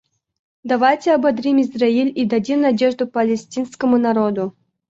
Давайте ободрим Израиль и дадим надежду палестинскому народу.